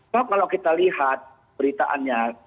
kalau kita lihat beritaannya